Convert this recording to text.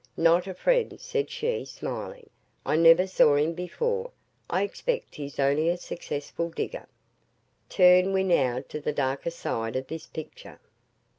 "Not a friend," said she, smiling. "I never saw him before. I expect he's only a successful digger." Turn we now to the darker side of this picture.